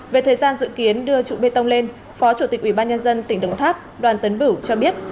về thời gian dự kiến đưa trụ bê tông lên phó chủ tịch ubnd tỉnh đồng tháp đoàn tấn bửu cho biết